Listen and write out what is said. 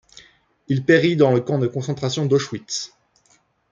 Il périt dans le camp de concentration d'Auschwitz.